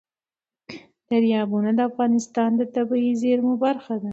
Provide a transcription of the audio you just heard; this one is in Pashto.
دریابونه د افغانستان د طبیعي زیرمو برخه ده.